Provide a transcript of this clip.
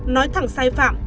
nói thẳng sai phạm